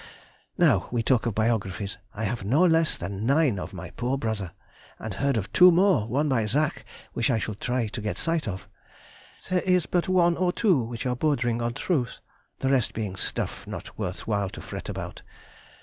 Now we talk of biographies, I have no less than nine of my poor brother, and heard of two more, one by Zach, which I shall try to get sight of. There is but one or two which are bordering on truth, the rest being stuff, not worth while to fret about.